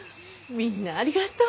みんなありがとう。